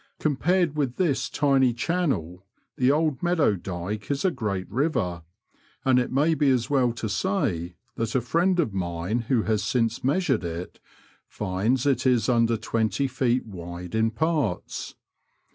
Compared with this tiny channel, the Old Meadow Dyke is a great river, and it may be as well to say that a friend of mine who has since measured it finds it is under twenty feet wide in parts.